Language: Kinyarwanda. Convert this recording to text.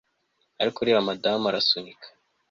Ariko reba madamu arasunika